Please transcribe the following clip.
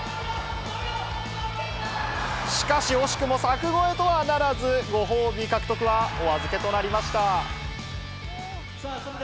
しかし、惜しくも柵越えとはならず、ご褒美獲得はお預けとなりました。